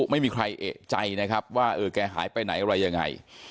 ไม่มีใครเอกใจนะครับว่าเออแกหายไปไหนอะไรยังไง